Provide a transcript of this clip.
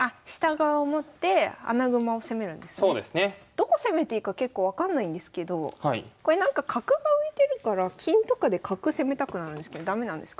どこ攻めていいか結構分かんないんですけどこれなんか角が浮いてるから金とかで角攻めたくなるんですけど駄目なんですか？